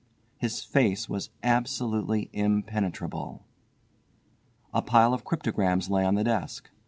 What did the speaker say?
His face was absolutely impenetrable. A pile of cryptograms lay on the desk.